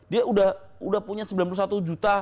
dia udah punya sembilan puluh satu juta